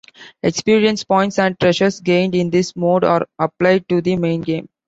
Experience points and treasures gained in this mode are applied to the main game.